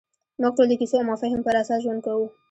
موږ ټول د کیسو او مفاهیمو پر اساس ژوند کوو.